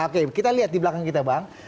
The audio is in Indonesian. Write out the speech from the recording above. oke kita lihat di belakang kita bang